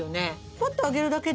パッと上げるだけで。